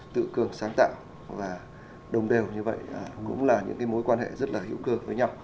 tự cường sáng tạo và đồng đèo như vậy cũng là những cái mối quan hệ rất là hữu cường với nhau